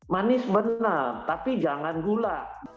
manis benar tapi jangan gula